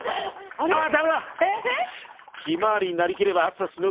あダメだ！